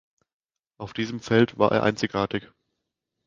Auf diesem Feld war er einzigartig.